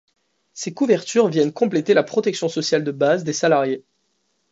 Ces couvertures viennent compléter la protection sociale de base des salariés.